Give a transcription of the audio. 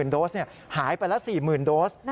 ๑๕๔๐๐๐๐โดสหายไปละ๔๐๐๐๐โดส